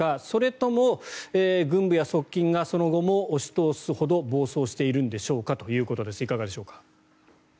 それとも軍部や側近がその後も押し通すほど暴走しているんでしょうか？ということですがいかがでしょうか。